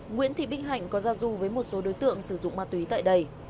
nguyễn thị bích hạnh có gia du với một số đối tượng sử dụng ma túy tại đây